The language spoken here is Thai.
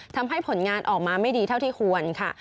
ผลงานออกมาไม่ดีเท่าที่ควรค่ะ